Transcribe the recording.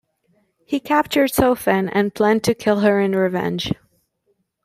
He captured Sofen and planned to kill her in revenge.